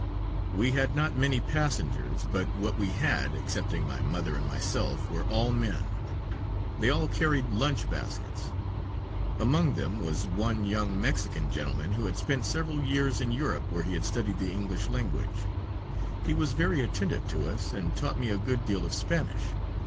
We had not many passengers, but what we had, excepting my mother and myself, were all men. They all carried lunch baskets. Among them was one young Mexican gentleman who had spent several years in Europe, where he had studied the English language. He was very attentive to us, and taught me a good deal of Spanish.